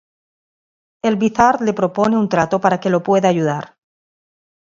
El Vizard le propone un trato para que lo pueda ayudar.